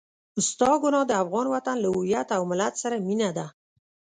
ستا ګناه د افغان وطن له هويت او ملت سره مينه ده.